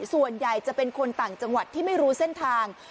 ส่วนใหญ่จะเป็นคนต่างจังหวัดที่ไม่รู้เส้นทาง